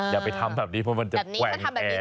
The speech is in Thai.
อย่าไปทำแบบนี้เพราะมันจะแกว่งแอร์